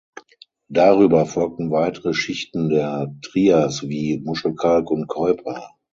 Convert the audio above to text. Darüber folgten weitere Schichten der Trias wie Muschelkalk und Keuper.